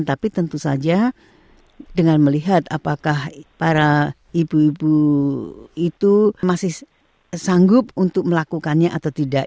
tapi tentu saja dengan melihat apakah para ibu ibu itu masih sanggup untuk melakukannya atau tidak